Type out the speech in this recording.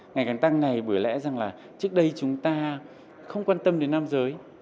ngày càng tăng này bởi lẽ trước đây chúng ta không quan tâm đến nam giới